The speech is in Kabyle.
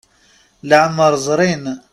Leɛmer ẓrin.